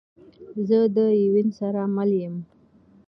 زه ده یون سره مل یم